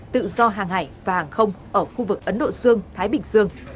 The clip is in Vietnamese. tự do hàng hải và hàng không ở khu vực ấn độ dương thái bình dương